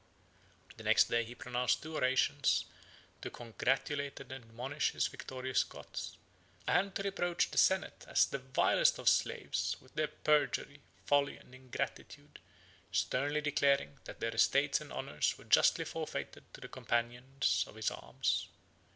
The next day he pronounced two orations, to congratulate and admonish his victorious Goths, and to reproach the senate, as the vilest of slaves, with their perjury, folly, and ingratitude; sternly declaring, that their estates and honors were justly forfeited to the companions of his arms.